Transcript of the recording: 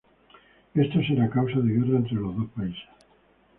Esto será causa de guerra entre los dos países.